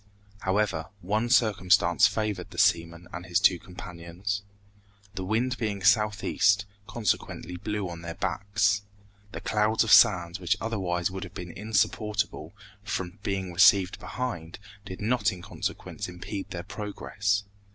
However, one circumstance favored the seaman and his two companions. The wind being southeast, consequently blew on their backs. The clouds of sand, which otherwise would have been insupportable, from being received behind, did not in consequence impede their progress.